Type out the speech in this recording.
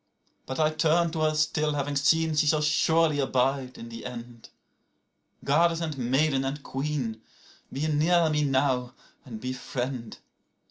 91But I turn to her still, having seen she shall surely abide in the end;92Goddess and maiden and queen, be near me now and befriend.